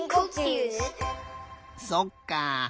そっか。